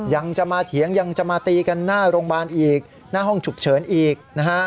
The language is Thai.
ยังจะมาเถียงทีกันหน้าห้องฉุกเฉินอีก